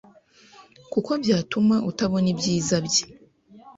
kuko byatuma utabona ibyiza bye.